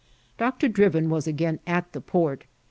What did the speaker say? Dr. Drivin was again at the port.